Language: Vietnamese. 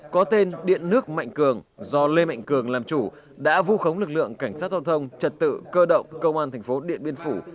có tên điện nước mạnh cường do lê mạnh cường làm chủ đã vu khống lực lượng cảnh sát giao thông trật tự cơ động công an thành phố điện biên phủ